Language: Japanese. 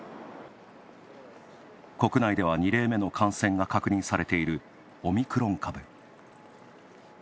国内では２例目の感染が確認されていオミクロン株。